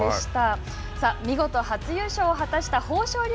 さあ、見事初優勝を果たした豊昇龍